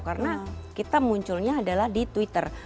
karena kita munculnya adalah di twitter